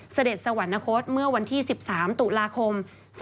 เสด็จสวรรคตเมื่อวันที่๑๓ตุลาคม๒๕๖